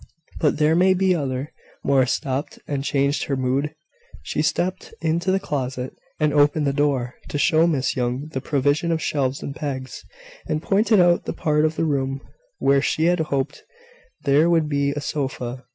"But there may be other ." Morris stopped, and changed her mood. She stepped to the closet, and opened the door, to show Miss Young the provision of shelves and pegs; and pointed out the part of the room where she had hoped there would be a sofa.